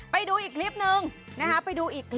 ไปดูอีกคลิปนึงนะฮะ